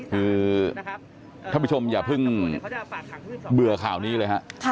คือท่านผู้ชมอย่าเพิ่งเบื่อข่าวนี้เลยฮะ